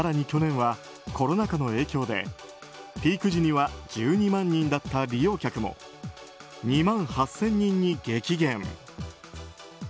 去年はコロナ禍の影響でピーク時には１２万人だった利用客も２万８０００人に激減。